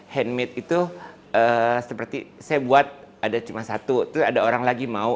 handmade itu seperti saya buat ada cuma satu terus ada orang lagi mau